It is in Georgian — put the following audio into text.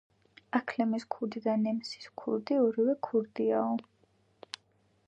აქლემის ქურდი და ნემსის ქურდი ორივე ქურდიაო.